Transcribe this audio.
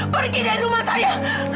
pergi dari rumah saya